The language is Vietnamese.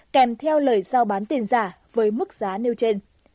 kèm theo lời giao bán tiền giả với mức giá nêu trên